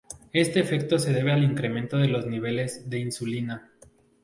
Este efecto se debe al incremento en los niveles de insulina.